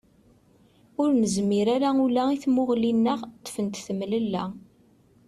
Ur nezmir ara ula i tmuɣli-nneɣ, ṭṭfent temlella.